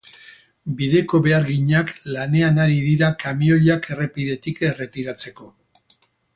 Bideko beharginak lanean ari dira kamioiak errepidetik erretiratzeko.